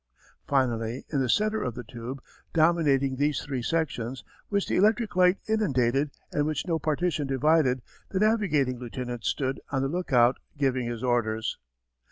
Finally, in the centre of the tube, dominating these three sections, which the electric light inundated, and which no partition divided, the navigating lieutenant stood on the lookout giving his orders.